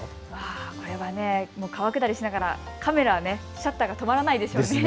これは川下りしながらカメラのシャッターが止まらないですよね。